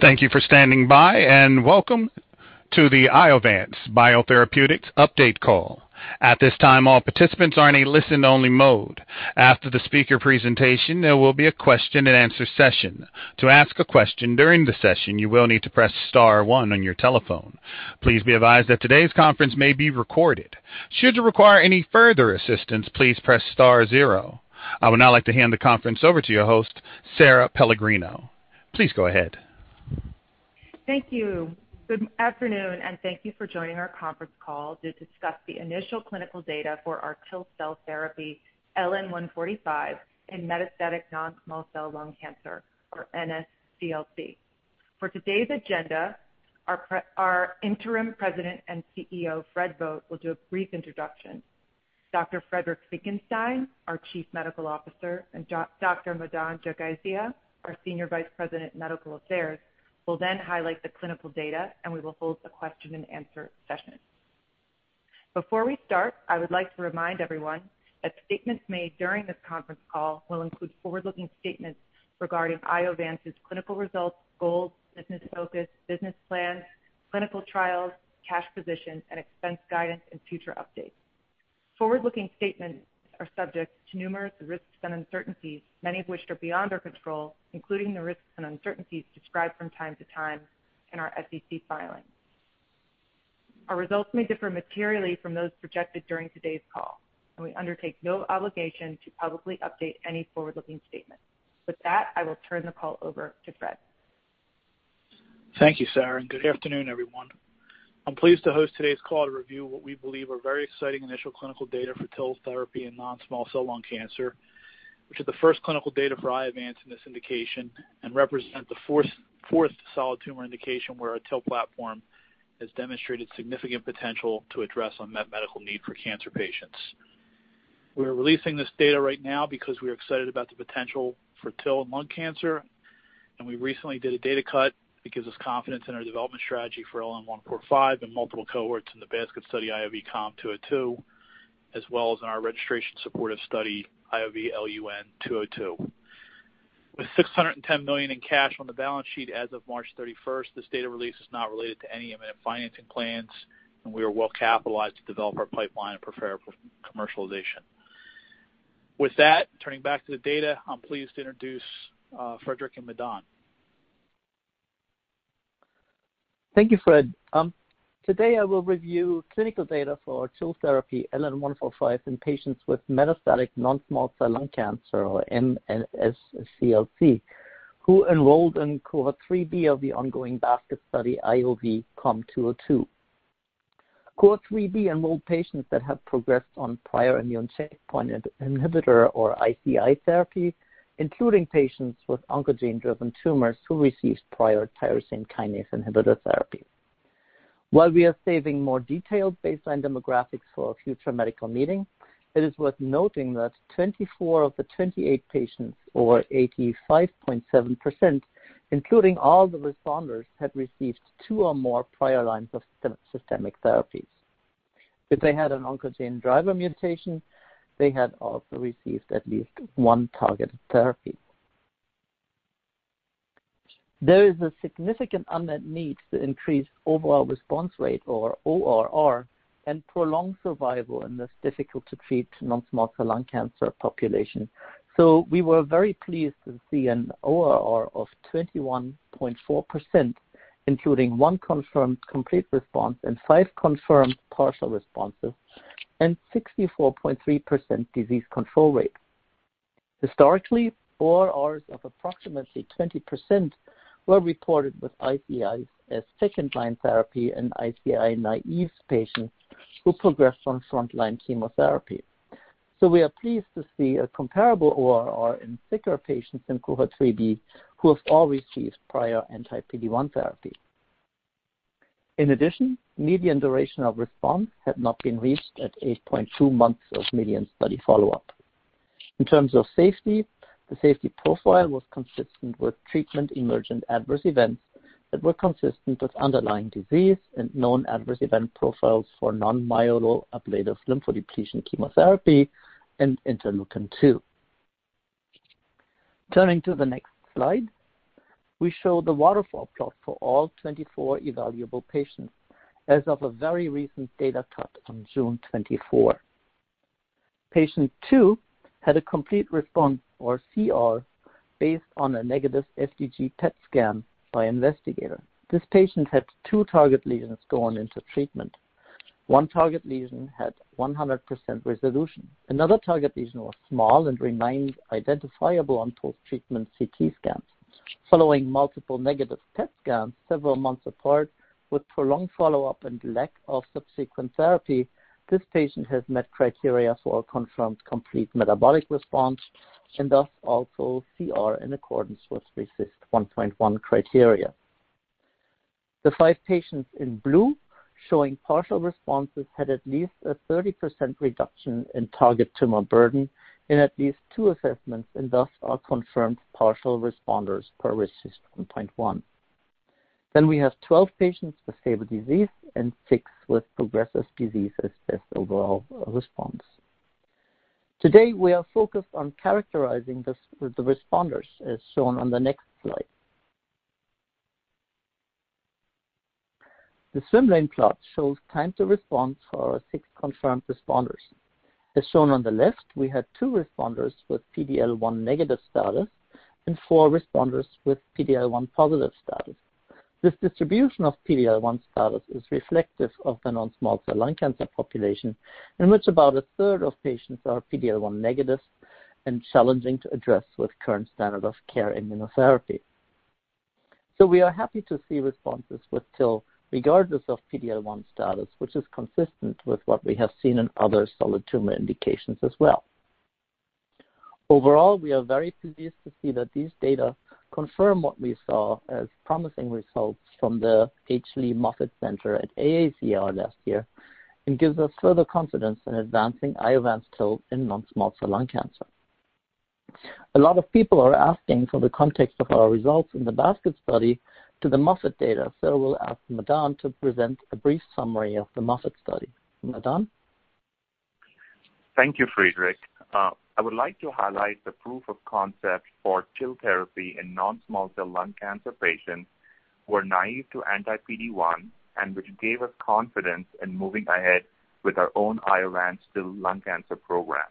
Thank you for standing by, and welcome to the Iovance Biotherapeutics update call. At this time, all participants are in a listen-only mode. After the speaker presentation, there will be a question and answer session. To ask a question during the session, you will need to press star one on your telephone. Please be advised that today's conference may be recorded. Should you require any further assistance, please press star zero. I would now like to hand the conference over to your host, Sara Pellegrino. Please go ahead. Thank you. Good afternoon. Thank you for joining our conference call to discuss the initial clinical data for our TIL cell therapy, LN-145, in metastatic non-small cell lung cancer, or NSCLC. For today's agenda, our Interim President and CEO, Fred Vogt, will do a brief introduction. Dr. Friedrich Graf Finckenstein, our Chief Medical Officer, and Dr. Madan Jagasia, our Senior Vice President, Medical Affairs, will then highlight the clinical data, and we will hold a question and answer session. Before we start, I would like to remind everyone that statements made during this conference call will include forward-looking statements regarding Iovance's clinical results, goals, business focus, business plans, clinical trials, cash position, and expense guidance and future updates. Forward-looking statements are subject to numerous risks and uncertainties, many of which are beyond our control, including the risks and uncertainties described from time to time in our SEC filings. Our results may differ materially from those projected during today's call, and we undertake no obligation to publicly update any forward-looking statement. With that, I will turn the call over to Fred. Thank you, Sara, and good afternoon, everyone. I'm pleased to host today's call to review what we believe are very exciting initial clinical data for TIL therapy in non-small cell lung cancer, which is the first clinical data for Iovance in this indication and represents the fourth solid tumor indication where our TIL platform has demonstrated significant potential to address unmet medical need for cancer patients. We're releasing this data right now because we're excited about the potential for TIL in lung cancer, and we recently did a data cut that gives us confidence in our development strategy for LN-145 and multiple cohorts in the basket study IOV-COM-202, as well as in our registration supportive study, IOV-LUN-202. With $610 million in cash on the balance sheet as of March 31st, this data release is not related to any imminent financing plans, and we are well capitalized to develop our pipeline and prepare for commercialization. With that, turning back to the data, I'm pleased to introduce Friedrich and Madan. Thank you, Fred. Today, I will review clinical data for our TIL therapy, LN-145, in patients with metastatic non-small cell lung cancer, or NSCLC, who enrolled in cohort 3B of the ongoing basket study, IOV-COM-202. Cohort 3B enrolled patients that have progressed on prior immune checkpoint inhibitor or ICI therapy, including patients with oncogene-driven tumors who received prior tyrosine kinase inhibitor therapy. While we are saving more detailed baseline demographics for a future medical meeting, it is worth noting that 24 of the 28 patients, or 85.7%, including all the responders, had received two or more prior lines of systemic therapies. If they had an oncogene driver mutation, they had also received at least one targeted therapy. There is a significant unmet need to increase overall response rate, or ORR, and prolong survival in this difficult-to-treat non-small cell lung cancer population. We were very pleased to see an ORR of 21.4%, including one confirmed complete response and five confirmed partial responses and 64.3% disease control rate. Historically, ORRs of approximately 20% were reported with ICI as second-line therapy in ICI-naïve patients who progressed on frontline chemotherapy. We are pleased to see a comparable ORR in sicker patients in cohort 3B who have all received prior anti-PD-1 therapy. In addition, median duration of response had not been reached at 8.2 months of median study follow-up. In terms of safety, the safety profile was consistent with treatment-emergent adverse events that were consistent with underlying disease and known adverse event profiles for non-myeloablative lymphodepletion chemotherapy and interleukin-2. Turning to the next slide, we show the waterfall plot for all 24 evaluable patients as of a very recent data cut on June 24. Patient two had a complete response, or CR, based on a negative FDG PET scan by investigator. This patient had two target lesions going into treatment. One target lesion had 100% resolution. Another target lesion was small and remained identifiable on post-treatment CT scans. Following multiple negative PET scans several months apart with prolonged follow-up and lack of subsequent therapy, this patient has met criteria for a confirmed complete metabolic response and thus also CR in accordance with RECIST 1.1 criteria. The five patients in blue showing partial responses had at least a 30% reduction in target tumor burden in at least two assessments and thus are confirmed partial responders per RECIST 1.1. We have 12 patients with stable disease and six with progressive disease as best overall response. Today, we are focused on characterizing the responders, as shown on the next slide. The swimmer plot shows time to response for our six confirmed responders. As shown on the left, we had two responders with PD-L1 negative status and four responders with PD-L1 positive status. This distribution of PD-L1 status is reflective of the non-small cell lung cancer population, in which about a third of patients are PD-L1 negative and challenging to address with current standard of care immunotherapy. We are happy to see responses with TIL, regardless of PD-L1 status, which is consistent with what we have seen in other solid tumor indications as well. Overall, we are very pleased to see that these data confirm what we saw as promising results from the H. Lee Moffitt Cancer Center at AACR last year and gives us further confidence in advancing Iovance TIL in non-small cell lung cancer. A lot of people are asking for the context of our results in the Basket study to the Moffitt data, so we'll ask Madan to present a brief summary of the Moffitt study. Madan? Thank you, Friedrich. I would like to highlight the proof of concept for TIL therapy in non-small cell lung cancer patients who are naive to anti-PD-1 and which gave us confidence in moving ahead with our own Iovance TIL lung cancer program.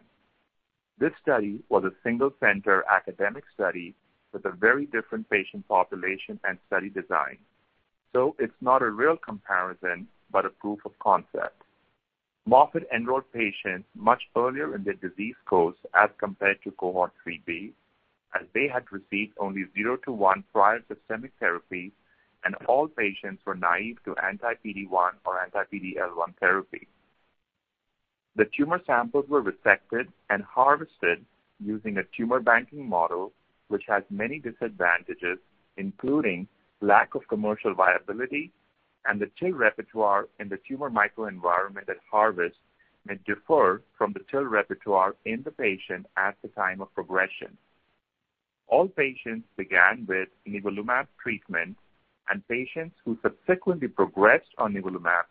This study was a single-center academic study with a very different patient population and study design. It's not a real comparison, but a proof of concept. Moffitt enrolled patients much earlier in their disease course as compared to Cohort 3B, as they had received only zero to one prior systemic therapy, and all patients were naive to anti-PD-1 or anti-PD-L1 therapy. The tumor samples were resected and harvested using a tumor banking model, which has many disadvantages, including lack of commercial viability and the TIL repertoire in the tumor microenvironment at harvest may differ from the TIL repertoire in the patient at the time of progression. All patients began with nivolumab treatment, and patients who subsequently progressed on nivolumab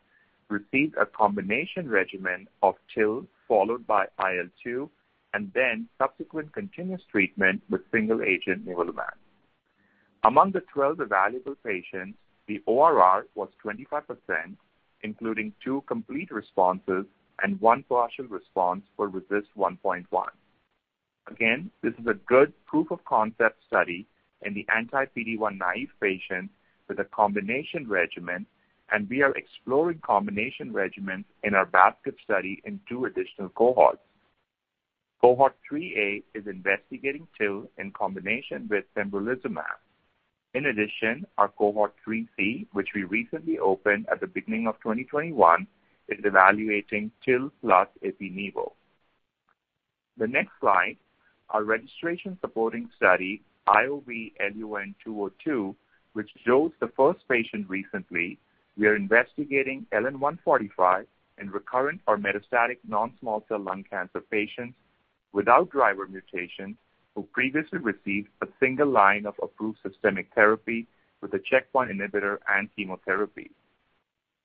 received a combination regimen of TIL followed by IL-2, and then subsequent continuous treatment with single-agent nivolumab. Among the 12 evaluable patients, the ORR was 25%, including two complete responses and one partial response for RECIST 1.1. Again, this is a good proof-of-concept study in the anti-PD-1 naive patients with a combination regimen, and we are exploring combination regimens in our Basket study in two additional cohorts. Cohort 3A is investigating TIL in combination with pembrolizumab. In addition, our Cohort 3C, which we recently opened at the beginning of 2021, is evaluating TIL plus ipi/nivo. The next slide, our registration supporting study, IOV-LUN-202, which dosed the first patient recently, we are investigating LN-145 in recurrent or metastatic non-small cell lung cancer patients without driver mutations who previously received a single line of approved systemic therapy with a checkpoint inhibitor and chemotherapy.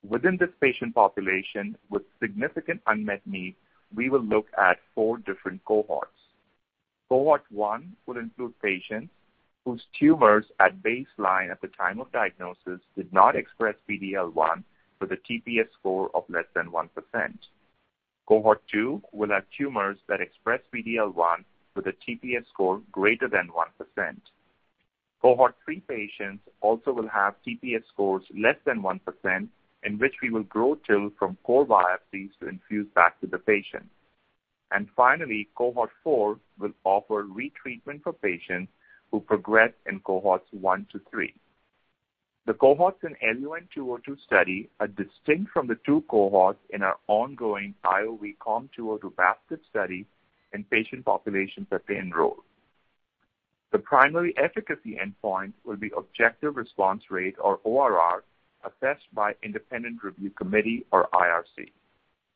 Within this patient population with significant unmet need, we will look at four different cohorts. Cohort one will include patients whose tumors at baseline at the time of diagnosis did not express PD-L1 with a TPS score of less than 1%. Cohort two will have tumors that express PD-L1 with a TPS score greater than 1%. Cohort three patients also will have TPS scores less than 1%, in which we will grow TIL from core biopsies to infuse back to the patient. Finally, cohort four will offer retreatment for patients who progress in cohorts one to three. The cohorts in LUN-202 study are distinct from the two cohorts in our ongoing IOV-COM-202 Basket study and patient populations that they enrolled. The primary efficacy endpoint will be objective response rate or ORR, assessed by independent review committee or IRC.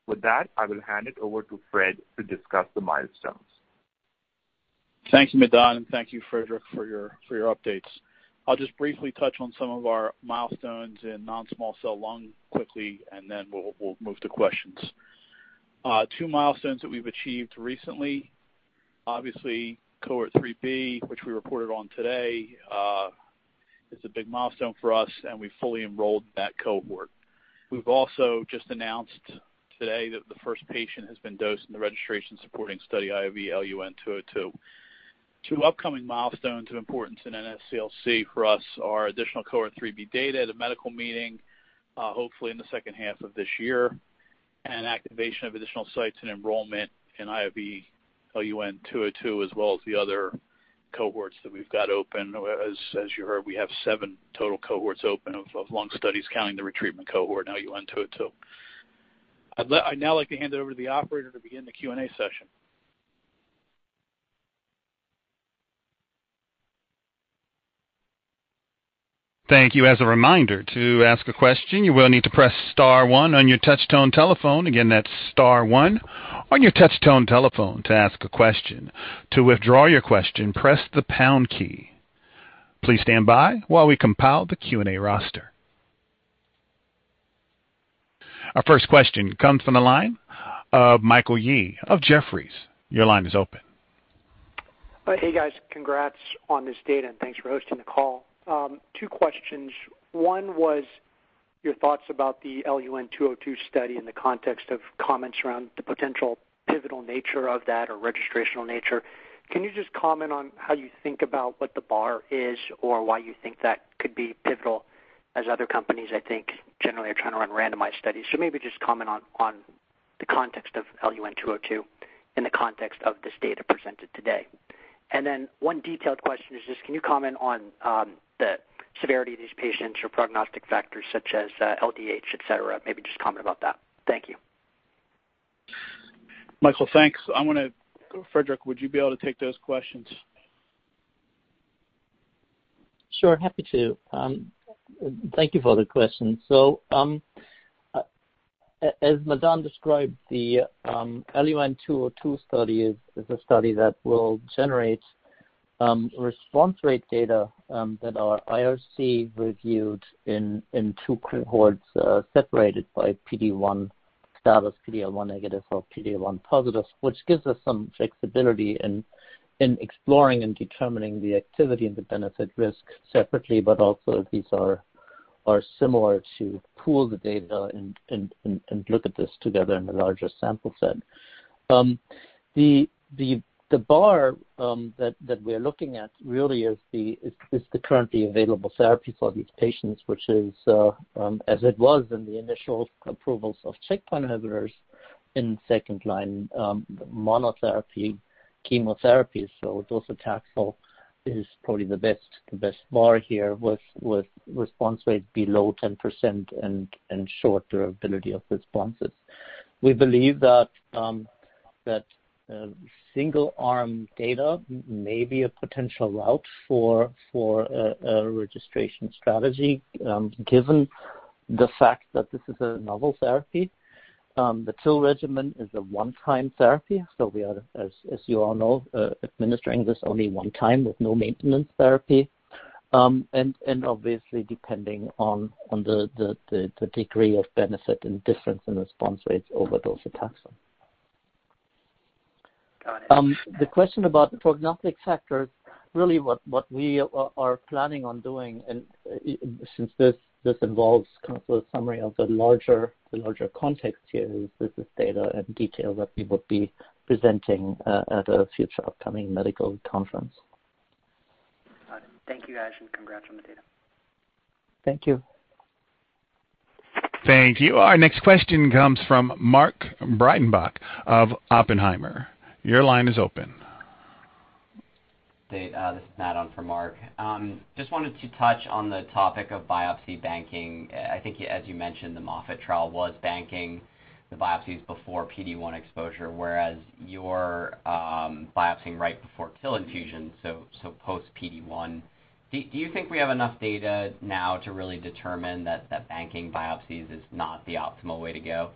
With that, I will hand it over to Fred to discuss the milestones. Thank you, Madan. Thank you, Friedrich, for your updates. I'll just briefly touch on some of our milestones in non-small cell lung quickly, and then we'll move to questions. Two milestones that we've achieved recently, obviously, Cohort 3B, which we reported on today, is a big milestone for us, and we fully enrolled that cohort. We've also just announced today that the first patient has been dosed in the registration supporting study IOV-LUN-202. Two upcoming milestones of importance in NSCLC for us are additional Cohort 3B data at a medical meeting, hopefully in the second half of this year, and activation of additional sites and enrollment in IOV-LUN-202, as well as the other cohorts that we've got open. As you heard, we have seven total cohorts open of lung studies counting the retreatment cohort, LUN-202. I'd now like to hand over to the operator to begin the Q&A session. Thank you. As a reminder, to ask a question, you will need to press star one on your touchtone telephone. Again, that's star one on your touchtone telephone to ask a question. To withdraw your question, press the pound key. Please stand by while we compile the Q&A roster. Our first question comes from the line of Michael Yee of Jefferies. Your line is open. Hey, guys. Congrats on this data, thanks for hosting the call. Two questions. One was your thoughts about the LUN-202 study in the context of comments around the potential pivotal nature of that or registrational nature. Can you just comment on how you think about what the bar is or why you think that could be pivotal as other companies, I think, generally are trying to run randomized studies? Maybe just comment on the context of LUN-202 in the context of this data presented today. Then one detailed question is just can you comment on the severity of these patients or prognostic factors such as LDH, et cetera? Maybe just comment about that. Thank you. Michael, thanks. Frederich, would you be able to take those questions? Sure, happy to. Thank you for the question. As Madan described, the LUN-202 study is a study that will generate response rate data that our IRC reviewed in two cohorts separated by PD-1 status, PD-L1 negative or PD-L1 positive, which gives us some flexibility in exploring and determining the activity and the benefit risk separately. Also these are similar to pool the data and look at this together in a larger sample set. The bar that we're looking at really is the currently available therapy for these patients, which is as it was in the initial approvals of checkpoint inhibitors in second-line monotherapy chemotherapy. docetaxel is probably the best bar here with response rate below 10% and short durability of responses. We believe that single-arm data may be a potential route for a registration strategy, given the fact that this is a novel therapy. The TIL regimen is a one-time therapy. We are, as you all know, administering this only one time with no maintenance therapy, obviously depending on the degree of benefit and difference in response rates over docetaxel. Got it. The question about prognostic factors, really what we are planning on doing, and since this involves kind of a summary of the larger context here, is this is data in detail that we would be presenting at a future upcoming medical conference. Got it. Thank you, guys, and congrats on the data. Thank you. Thank you. Our next question comes from Mark Breidenbach of Oppenheimer. Your line is open. Hey, this is [Madan] for Mark. Just wanted to touch on the topic of biopsy banking. I think as you mentioned, the Moffitt trial was banking the biopsies before PD-1 exposure, whereas you're biopsying right before TIL infusion, so post PD-1. Do you think we have enough data now to really determine that banking biopsies is not the optimal way to go?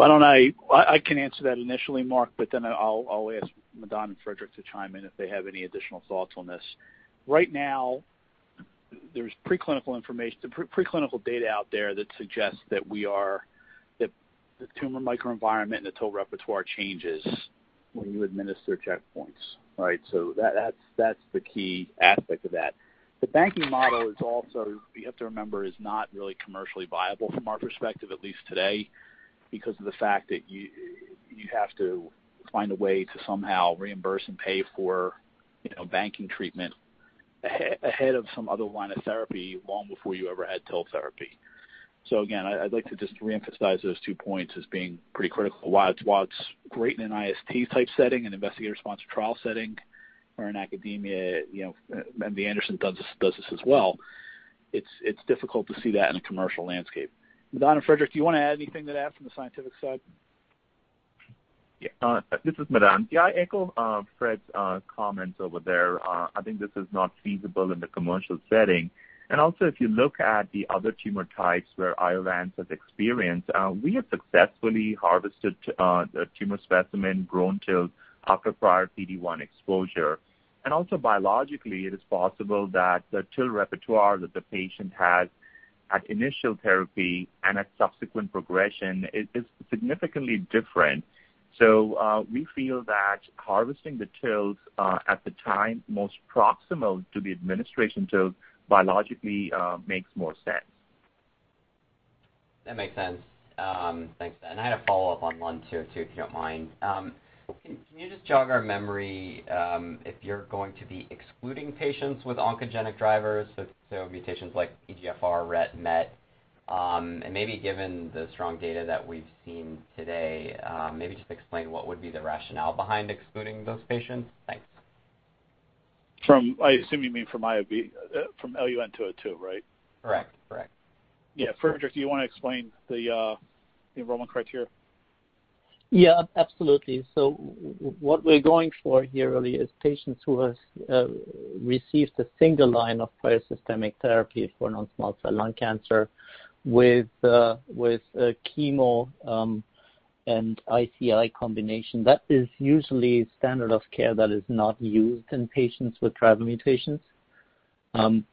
I can answer that initially, [Madan], but then I'll ask Madan and Friedrich to chime in if they have any additional thoughts on this. Right now, there's preclinical data out there that suggests that the tumor microenvironment and TIL repertoire changes when you administer checkpoints, right? That's the key aspect of that. The banking model is also, you have to remember, is not really commercially viable from our perspective, at least today, because of the fact that you have to find a way to somehow reimburse and pay for banking treatment ahead of some other line of therapy long before you ever had TIL therapy. Again, I'd like to just reemphasize those two points as being pretty critical. While it's great in an IST-type setting, an investigator response trial setting or in academia, you know, MD Anderson does this as well, it's difficult to see that in a commercial landscape. Madan, Friedrich, do you want to add anything to that from the scientific side? This is Madan. Yeah, I echo Fred's comments over there. I think this is not feasible in the commercial setting. If you look at the other tumor types where Iovance has experience, we have successfully harvested a tumor specimen grown TILs after prior PD-1 exposure. Biologically, it is possible that the TIL repertoire that the patient had at initial therapy and at subsequent progression is significantly different. We feel that harvesting the TILs at the time most proximal to the administration TIL biologically makes more sense. That makes sense. Thanks. I have a follow-up on LUN-202, if you don't mind. Can you just jog our memory if you're going to be excluding patients with oncogenic drivers, so mutations like EGFR, RET, MET? Maybe given the strong data that we've seen today, maybe just explain what would be the rationale behind excluding those patients. Thanks. I assume you mean from LUN-202, right? Correct. Yeah. Friedrich, do you want to explain the enrollment criteria? Yeah, absolutely. What we're going for here really is patients who have received a single line of prior systemic therapy for non-small cell lung cancer with chemo and ICI combination, that is usually standard of care that is not used in patients with driver mutations,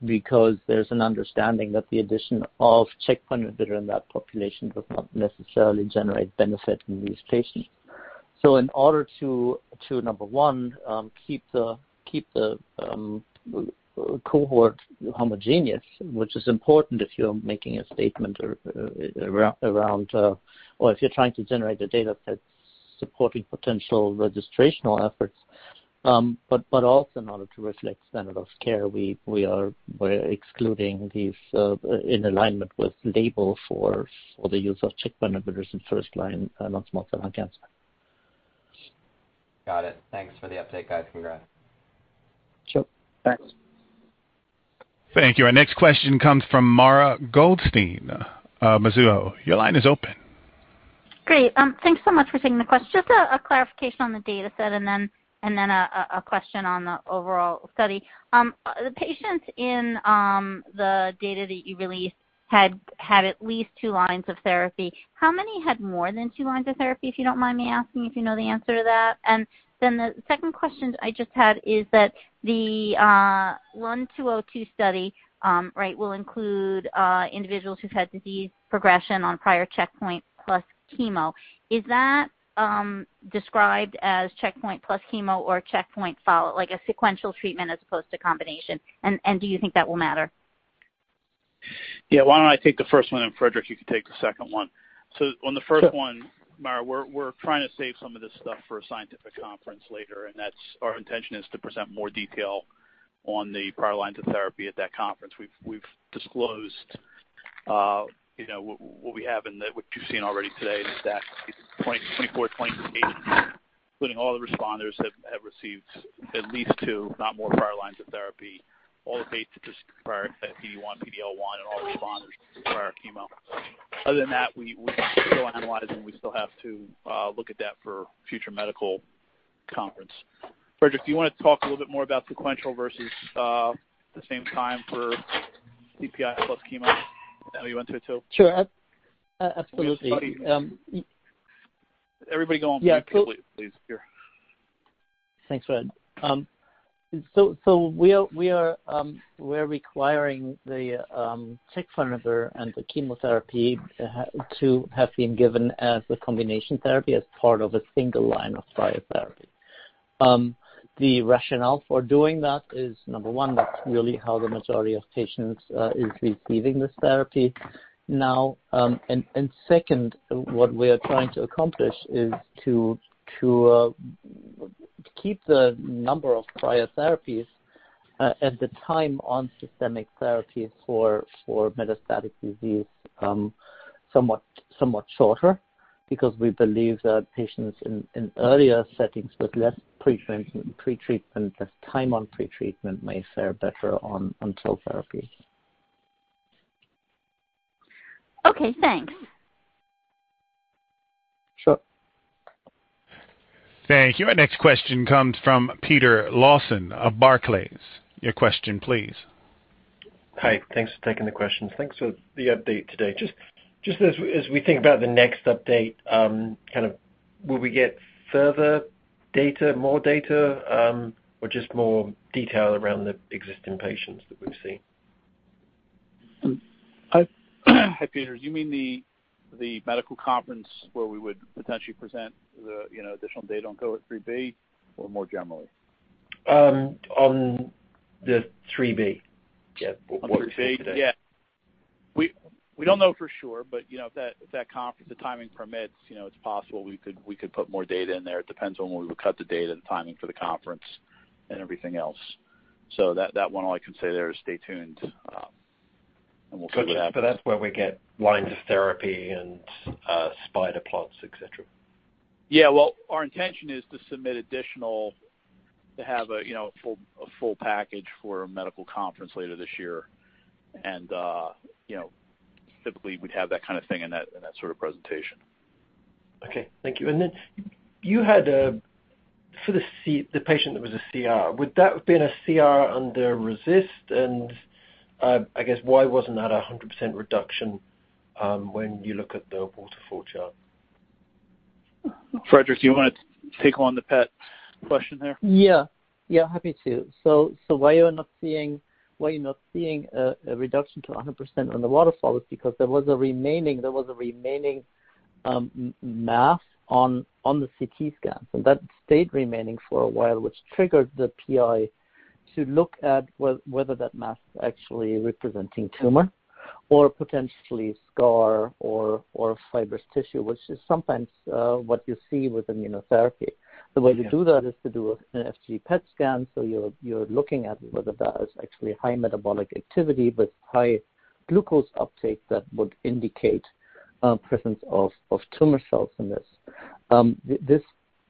because there's an understanding that the addition of checkpoint inhibitor in that population would not necessarily generate benefit in these patients. In order to, number one, keep the cohort homogeneous, which is important if you're making a statement or if you're trying to generate the data sets supporting potential registrational efforts. Also in order to reflect standard of care, we're excluding these in alignment with label for the use of checkpoint inhibitors in first-line non-small cell lung cancer. Got it. Thanks for the update, guys. Congrats. Sure. Thanks. Thank you. Our next question comes from Mara Goldstein of Mizuho. Your line is open. Great. Thanks so much for taking the question. Just a clarification on the data set, a question on the overall study. The patients in the data that you released had at least two lines of therapy. How many had more than two lines of therapy, if you don't mind me asking, if you know the answer to that? The second question I just had is that the LUN-202 study will include individuals who've had disease progression on prior checkpoint plus chemo. Is that described as checkpoint plus chemo or checkpoint follow, like a sequential treatment as opposed to combination? Do you think that will matter? Yeah. Why don't I take the first one, and Friedrich, you can take the second one. Sure. Mara, we're trying to save some of this stuff for a scientific conference later, and our intention is to present more detail on the prior lines of therapy at that conference. We've disclosed what we have and that what you've seen already today is that [24.8], including all the responders, have received at least two, if not more, prior lines of therapy, all but eight to just prior PD-1, PD-L1, and all responders to prior chemo. Other than that, we're still analyzing. We still have to look at that for future medical conference. Friedrich, do you want to talk a little bit more about sequential versus the same time for CPI plus chemo? Is that what you want to attend to? Sure. Absolutely. Everybody go on mute please. Yeah. Thanks, Fred. We're requiring the checkpoint inhibitor and the chemotherapy to have been given as a combination therapy as part of a single line of prior therapy. The rationale for doing that is, number one, that's really how the majority of patients is receiving this therapy now, and second, what we are trying to accomplish is to keep the number of prior therapies, at the time on systemic therapy for metastatic disease, somewhat shorter because we believe that patients in earlier settings with less pretreatment, less time on pretreatment, may fare better on cell therapy. Okay. Thanks. Sure. Thank you. Our next question comes from Peter Lawson of Barclays. Your question, please. Hi. Thanks for taking the questions. Thanks for the update today. Just as we think about the next update, will we get further data, more data, or just more detail around the existing patients that we've seen? Hi, Peter. Do you mean the medical conference where we would potentially present the additional data on COM-202 or more generally? On the 3B. Yeah. What we've seen today. On 3B, yeah. If that conference, the timing permits, it's possible we could put more data in there. It depends on when we cut the data, the timing for the conference, and everything else. That one, all I can say there is stay tuned, and we'll see what happens. Good. That's where we get lines of therapy and spider plots, et cetera. Yeah. Well, our intention is to submit additional, to have a full package for a medical conference later this year. Typically, we'd have that kind of thing in that sort of presentation. Okay. Thank you. You had, for the patient that was a CR, would that have been a CR under RECIST? I guess why wasn't that 100% reduction when you look at the waterfall chart? Friedrich, do you want to take on the PET question there? Yeah. Happy to. Why you're not seeing a reduction to 100% on the waterfall is because there was a remaining mass on the CT scan. That stayed remaining for a while, which triggered the PI to look at whether that mass actually representing tumor or potentially scar or fibrous tissue, which is sometimes what you see with immunotherapy. Okay. The way to do that is to do an FDG PET scan. You're looking at whether that is actually high metabolic activity with high glucose uptake that would indicate presence of tumor cells in this.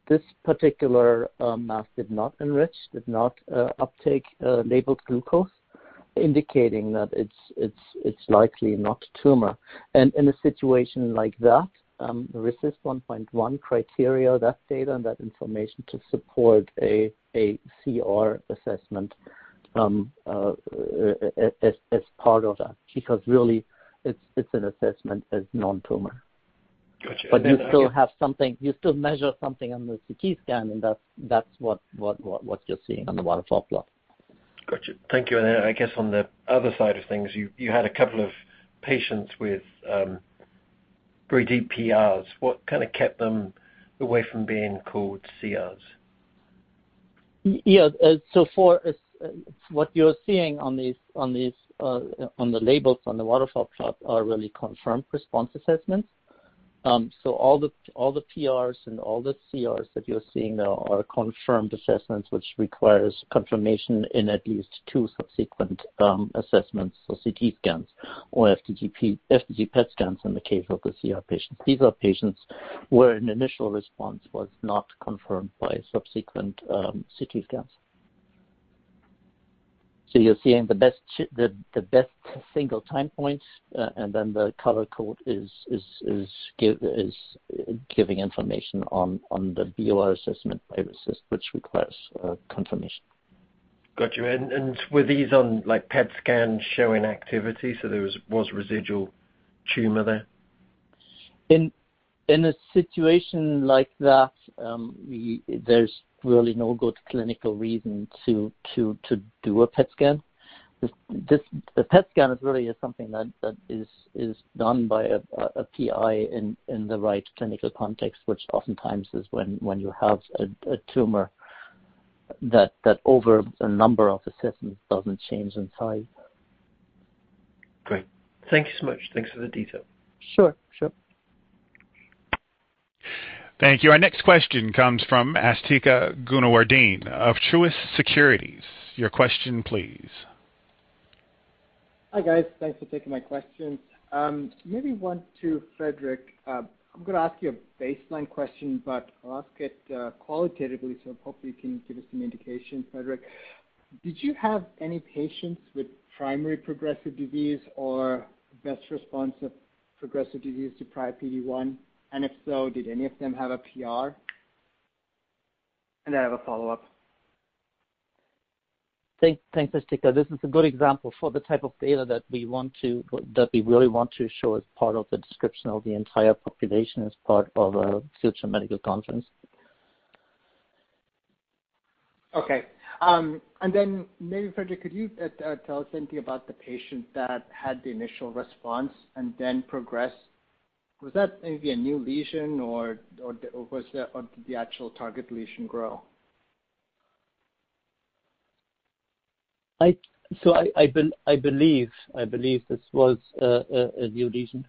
This particular mass did not enrich, did not uptake labeled glucose, indicating that it's likely not tumor. In a situation like that, the RECIST 1.1 criteria, that data and that information to support a CR assessment as part of that, because really it's an assessment as non-tumor. Got you. You still measure something on the CT scan, and that's what you're seeing on the waterfall plot. Got you. Thank you. Then I guess on the other side of things, you had a couple of patients with pretty deep PRs. What kept them away from being called CRs? Yeah. What you're seeing on the labels on the waterfall plot are really confirmed response assessments. All the PRs and all the CRs that you're seeing there are confirmed assessments, which requires confirmation in at least two subsequent assessments or CT scans or FDG PET scans in the case of the CR patients. These are patients where an initial response was not confirmed by subsequent CT scans. You're seeing the best single time points, and then the color code is giving information on the BOR assessment, which requires confirmation. Got you. Were these on PET scans showing activity, so there was residual tumor there? In a situation like that, there's really no good clinical reason to do a PET scan. The PET scan is really something that is done by a PI in the right clinical context, which oftentimes is when you have a tumor that over a number of assessments doesn't change in size. Great. Thank you so much. Thanks for the detail. Sure. Thank you. Our next question comes from Asthika Goonewardene of Truist Securities. Your question, please. Hi, guys. Thanks for taking my questions. Maybe one to Friedrich. I'm going to ask you a baseline question, but I'll ask it qualitatively, so hopefully you can give us some indication, Friedrich. Did you have any patients with primary progressive disease or best response of progressive disease to prior PD-1? If so, did any of them have a PR? I have a follow-up. Thanks, Asthika. This is a good example for the type of data that we really want to show as part of the description of the entire population as part of a future medical conference. Okay. Maybe, Friedrich, could you tell us anything about the patient that had the initial response and then progressed? Was that maybe a new lesion, or did the actual target lesion grow? I believe this was a new lesion.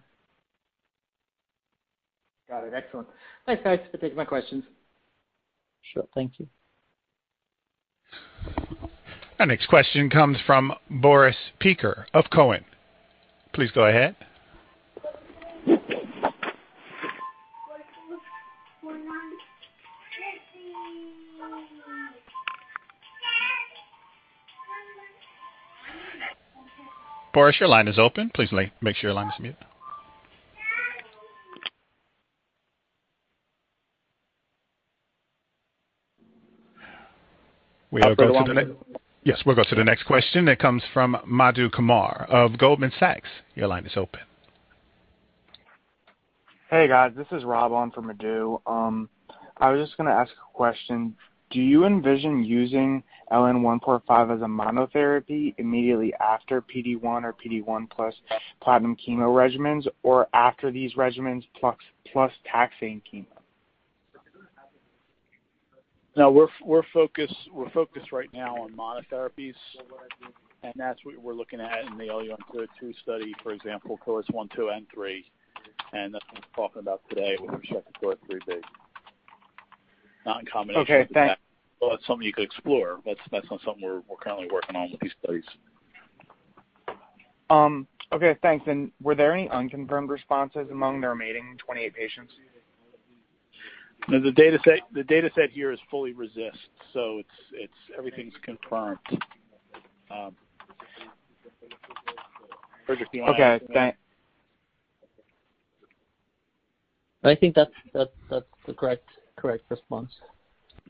Got it. Excellent. Thanks, guys, for taking my questions. Sure. Thank you. Our next question comes from Boris Peaker of Cowen. Please go ahead. Boris, your line is open. Please make sure your line is mute. I'll put Rob on. Yes, we'll go to the next question that comes from Madhu Kumar of Goldman Sachs. Your line is open. Hey, guys. This is Rob on for Madhu. I was just going to ask a question. Do you envision using LN-145 as a monotherapy immediately after PD-1 or PD-1 plus platinum chemo regimens, or after these regimens plus taxane chemo? No, we're focused right now on monotherapies, and that's what we're looking at in the LU-UNCL122 study, for example, cohorts one, two, and three. That's what we're talking about today with respect to cohort 3B. Okay, thanks. That's something you could explore. That's not something we're currently working on with these studies. Okay, thanks. Were there any unconfirmed responses among the remaining 28 patients? No, the dataset here is fully RECIST, so everything's confirmed. Okay, thanks. I think that's the correct response.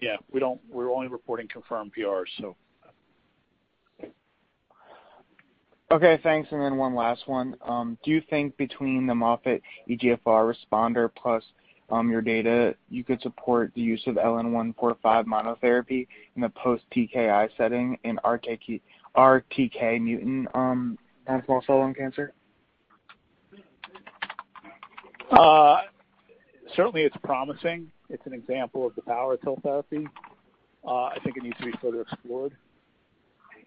Yeah. We're only reporting confirmed PRs, so. Okay, thanks. One last one. Do you think between the Moffitt EGFR responder plus your data, you could support the use of LN-145 monotherapy in the post-TKI setting in RTK mutant non-small-cell lung cancer? Certainly, it's promising. It's an example of the power of TIL therapy. I think it needs to be further explored.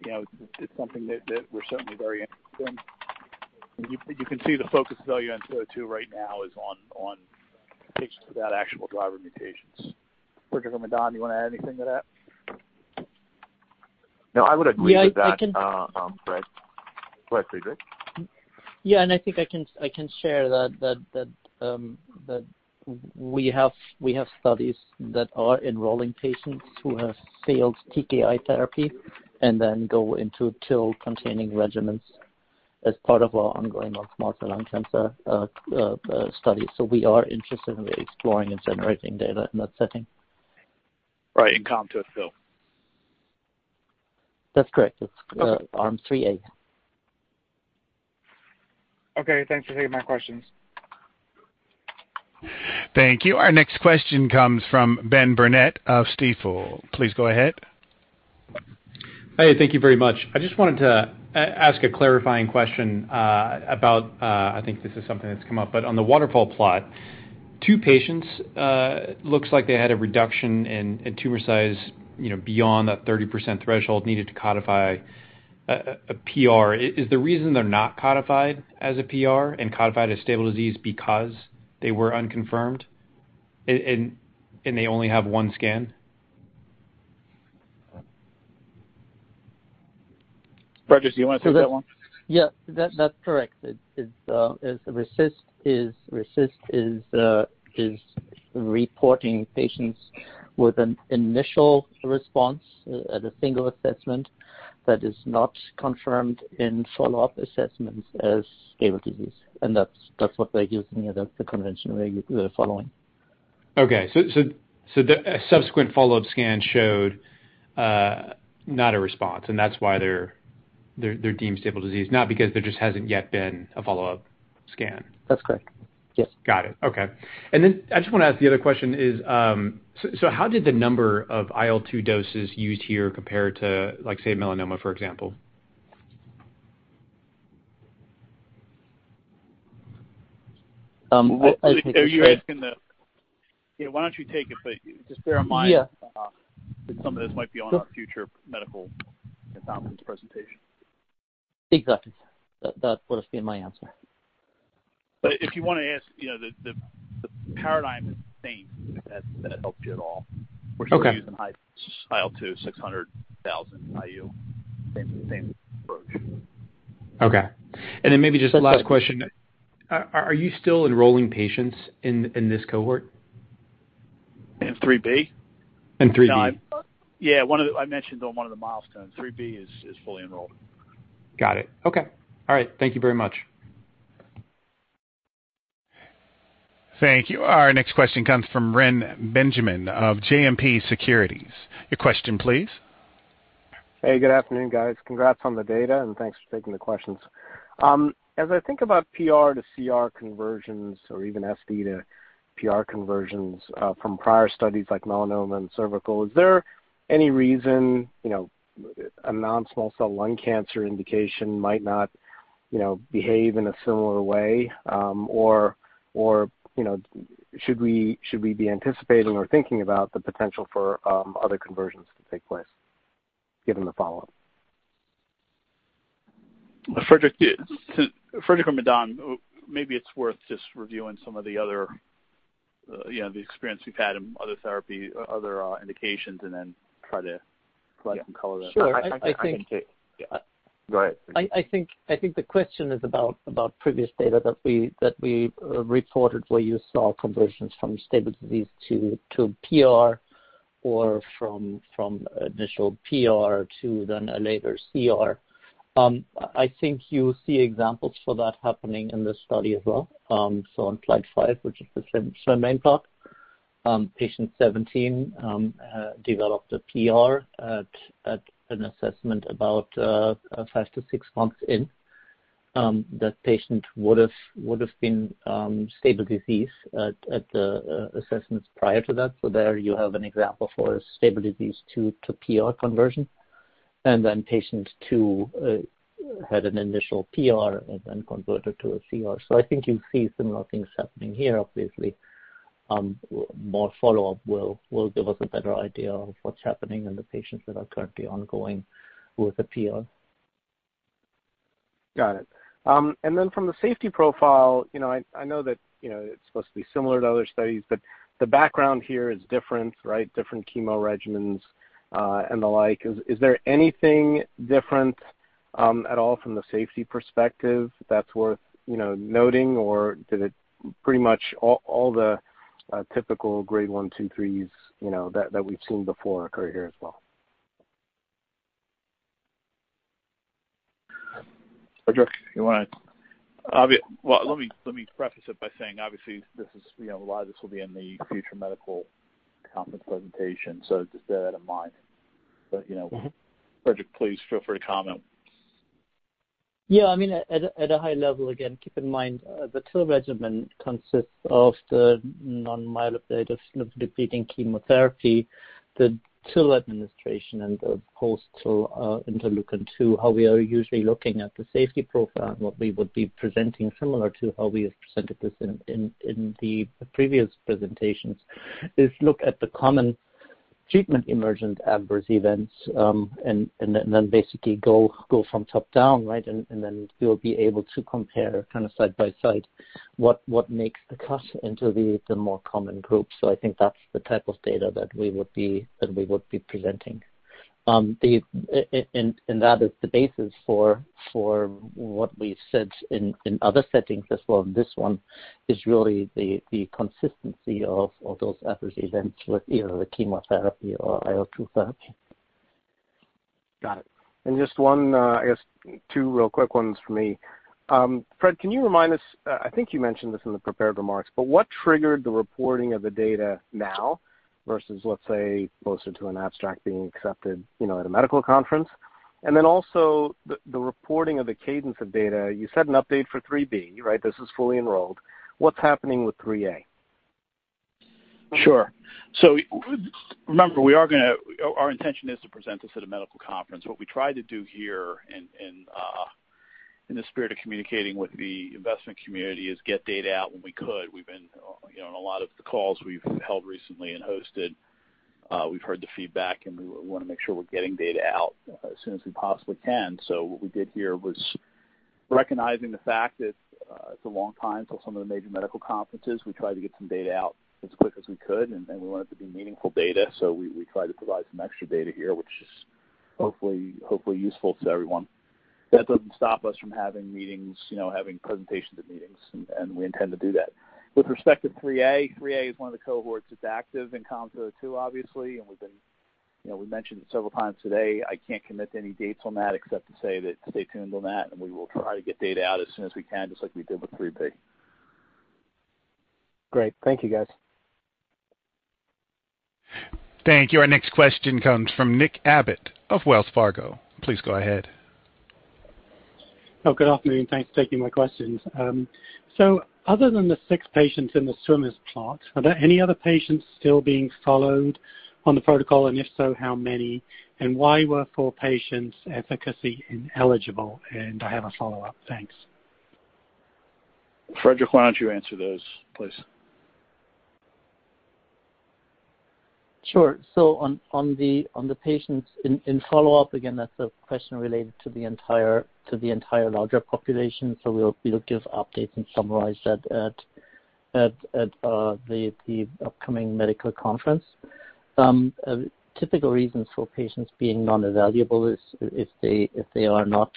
It's something that we're certainly very interested in. You can see the focus of LUN-202 right now is on patients without actionable driver mutations. Friedrich or Madan, do you want to add anything to that? I would agree with that, Fred. Go ahead, Friedrich. Yeah, I think I can share that we have studies that are enrolling patients who have failed TKI therapy and then go into TIL-containing regimens as part of our ongoing non-small cell lung cancer study. We are interested in exploring and generating data in that setting. Right, in COM-202 TIL. That's correct. Okay. It's arm 3A. Okay, thanks for taking my questions. Thank you. Our next question comes from Ben Burnett of Stifel. Please go ahead. Hey, thank you very much. I just wanted to ask a clarifying question about, I think this is something that's come up, but on the waterfall plot, two patients, looks like they had a reduction in tumor size beyond that 30% threshold needed to codify a PR. Is the reason they're not codified as a PR and codified as stable disease because they were unconfirmed, and they only have one scan? Friedrich, do you want to take that one? Yeah, that's correct. RECIST is reporting patients with an initial response at a single assessment that is not confirmed in follow-up assessments as stable disease. That's what they're using, that's the convention they're following. A subsequent follow-up scan showed not a response, and that's why they're deemed stable disease, not because there just hasn't yet been a follow-up scan. That's correct. Yes. Got it. Okay. I just want to ask the other question is, how did the number of IL-2 doses used here compare to, let's say, melanoma, for example? I think that's. Are you asking? Yeah, why don't you take it, but just bear in mind- Yeah. That some of this might be on our future medical conference presentation. Exactly. That would have been my answer. If you want to ask, the paradigm is the same, if that helps you at all. Okay. We're still using high IL-2, 600,000 IU. Same approach. Okay. Maybe just one last question. Are you still enrolling patients in this cohort? In 3B? In 3B. Yeah. I mentioned on one of the milestones, 3B is fully enrolled. Got it. Okay. All right. Thank you very much. Thank you. Our next question comes from Reni Benjamin of JMP Securities. Your question, please. Hey, good afternoon, guys. Congrats on the data. Thanks for taking the questions. As I think about PR to CR conversions or even SD to PR conversions from prior studies like melanoma and cervical, is there any reason a non-small cell lung cancer indication might not behave in a similar way? Should we be anticipating or thinking about the potential for other conversions to take place given the follow-up? Friedrich or Madan, maybe it's worth just reviewing some of the other experience we've had in other therapy, other indications, and then try to provide some color there. Sure. Go ahead. I think the question is about previous data that we reported where you saw conversions from stable disease to PR or from initial PR to then a later CR. I think you see examples for that happening in this study as well. On slide 5, which is the ceruloplasmin part, patient 17 developed a PR at an assessment about five to six months in. That patient would've been stable disease at the assessments prior to that. There you have an example for a stable disease to PR conversion. Patient two had an initial PR and then converted to a CR. I think you'll see similar things happening here. Obviously, more follow-up will give us a better idea of what's happening in the patients that are currently ongoing with a PR. Got it. From the safety profile, I know that it's supposed to be similar to other studies, the background here is different, right? Different chemo regimens and the like. Is there anything different at all from the safety perspective that's worth noting, did it pretty much all the typical grade one, two, threes that we've seen before occur here as well? Friedrich, Well, let me preface it by saying, obviously, a lot of this will be in the future medical conference presentation, so just bear that in mind. Friedrich, please feel free to comment. Yeah, at a high level, again, keep in mind, the TIL regimen consists of the non-myeloablative lymphodepleting chemotherapy, the TIL administration, and the post-TIL interleukin-2. How we are usually looking at the safety profile and what we would be presenting, similar to how we have presented this in the previous presentations, is look at the common treatment emergent adverse events, and then basically go from top down, right? Then we'll be able to compare kind of side by side what makes the cut into the more common groups. I think that's the type of data that we would be presenting. That is the basis for what we've said in other settings as well. This one is really the consistency of those adverse events with either the chemotherapy or IL-2 therapy. Got it. Just one, I guess two real quick ones from me. Fred, can you remind us, I think you mentioned this in the prepared remarks, but what triggered the reporting of the data now versus, let's say, closer to an abstract being accepted at a medical conference? Then also the reporting of the cadence of data. You set an update for phase III-B, right? This is fully enrolled. What's happening with phase III-A? Sure. Remember, our intention is to present this at a medical conference. What we tried to do here, in the spirit of communicating with the investment community, is get data out when we could. We've been, on a lot of the calls we've held recently and hosted, we've heard the feedback, and we want to make sure we're getting data out as soon as we possibly can. What we did here was recognizing the fact that it's a long time till some of the major medical conferences. We tried to get some data out as quick as we could, and we want it to be meaningful data, so we tried to provide some extra data here, which is hopefully useful to everyone. That doesn't stop us from having presentations at meetings, and we intend to do that. With respect to 3A is one of the cohorts that's active in COM-202, obviously. We've mentioned it several times today. I can't commit to any dates on that except to say stay tuned on that. We will try to get data out as soon as we can, just like we did with 3B. Great. Thank you, guys. Thank you. Our next question comes from Nick Abbott of Wells Fargo. Please go ahead. Good afternoon. Thanks for taking my questions. Other than the six patients in the swimmer plot, are there any other patients still being followed on the protocol? If so, how many? Why were four patients' efficacy ineligible? I have a follow-up. Thanks. Friedrich, why don't you answer those, please? Sure. On the patients in follow-up, again, that's a question related to the entire larger population, so we'll give updates and summarize that at the upcoming medical conference. Typical reasons for patients being non-evaluable is if they are not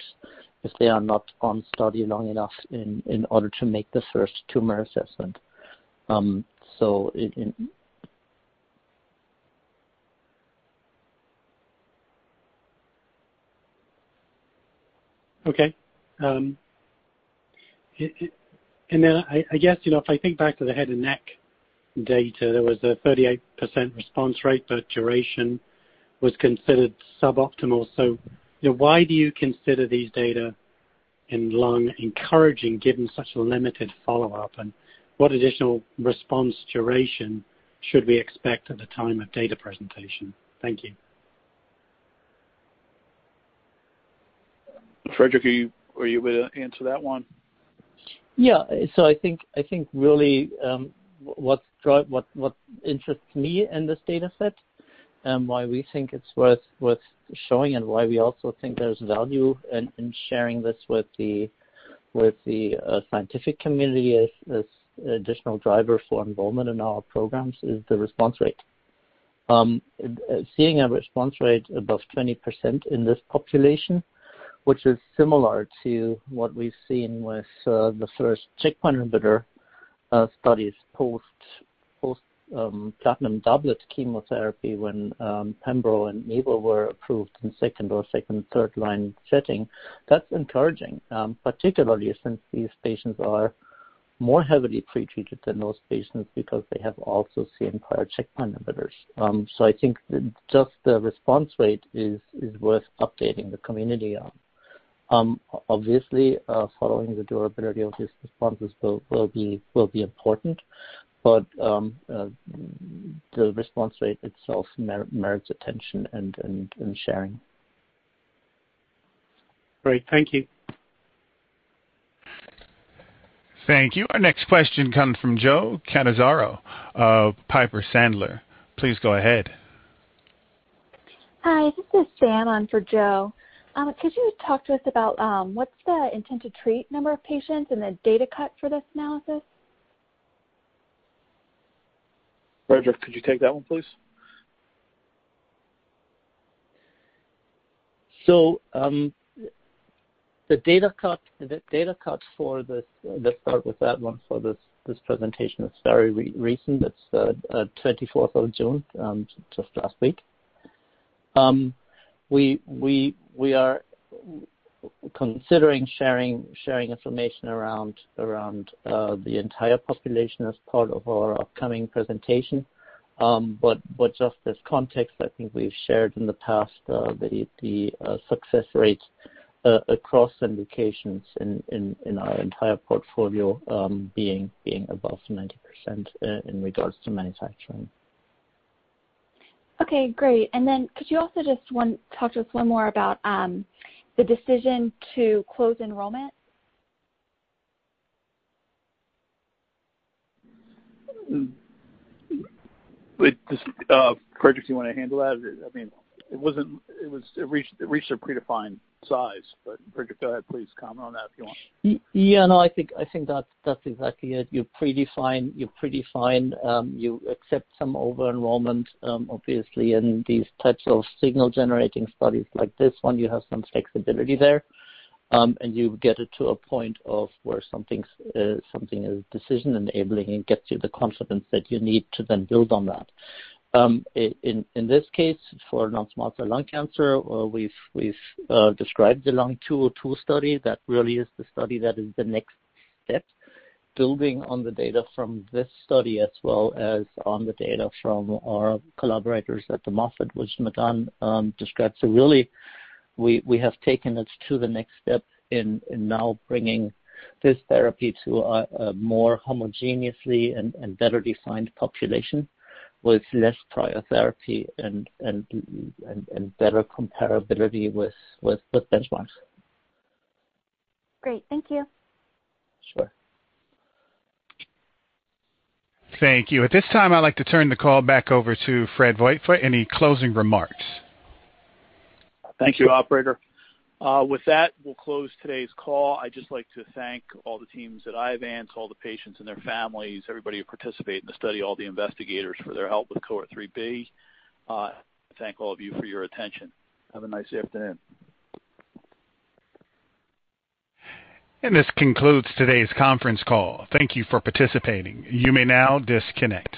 on study long enough in order to make the first tumor assessment. Okay. I guess, if I think back to the head and neck data, there was a 38% response rate, but duration was considered suboptimal. Why do you consider these data in lung encouraging given such a limited follow-up? What additional response duration should we expect at the time of data presentation? Thank you. Fred, are you able to answer that one? Yeah. I think really what interests me in this data set and why we think it's worth showing and why we also think there's value in sharing this with the scientific community as an additional driver for enrollment in our programs is the response rate. Seeing a response rate above 20% in this population, which is similar to what we've seen with the first checkpoint inhibitor studies post-platinum doublet chemotherapy when Pembro and Nivo were approved in second or second and third-line setting, that's encouraging. Particularly since these patients are more heavily pretreated than those patients because they have also seen prior checkpoint inhibitors. I think just the response rate is worth updating the community on. Obviously, following the durability of these responses will be important. The response rate itself merits attention and sharing. Great. Thank you. Thank you. Our next question comes from Joe Catanzaro of Piper Sandler. Please go ahead. Hi, this is Jan on for Joe. Could you talk to us about what's the intent to treat number of patients and the data cut for this analysis? Friedrich, could you take that one, please? The data cut for this, let's start with that one, for this presentation is very recent. It's 24th of June, just last week. We are considering sharing information around the entire population as part of our upcoming presentation. Just as context, I think we've shared in the past the success rates across indications in our entire portfolio being above 90% in regards to manufacturing. Okay, great. Could you also just talk to us a little more about the decision to close enrollment? Friedrich, do you want to handle that? It reached their predefined size. Friedrich, go ahead please, comment on that if you want. Yeah, no, I think that's exactly it. You predefine, you accept some over-enrollment, obviously, and these types of signal-generating studies like this one, you have some flexibility there. You get it to a point of where something is decision enabling and gets you the confidence that you need to then build on that. In this case, for non-small cell lung cancer, we've described the Lung 202 study. That really is the study that is the next step, building on the data from this study as well as on the data from our collaborators at the Moffitt, which Madan described. Really, we have taken it to the next step in now bringing this therapy to a more homogeneously and better-defined population with less prior therapy and better comparability with benchmarks. Great. Thank you. Sure. Thank you. At this time, I'd like to turn the call back over to Fred Vogt for any closing remarks. Thank you, operator. With that, we'll close today's call. I'd just like to thank all the teams at Iovance, all the patients and their families, everybody who participated in the study, all the investigators for their help with Cohort 3B. I thank all of you for your attention. Have a nice afternoon. This concludes today's conference call. Thank you for participating. You may now disconnect.